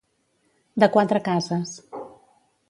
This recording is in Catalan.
De quatre cases.